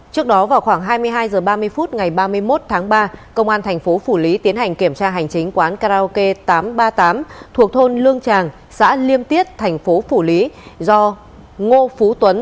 trước đó vào khoảng hai mươi hai h ba mươi phút ngày ba mươi một tháng ba công an thành phố phủ lý tiến hành kiểm tra hành chính quán karaoke tám trăm ba mươi tám thuộc thôn lương tràng xã liêm tiết thành phố phủ lý do ngô phú tuấn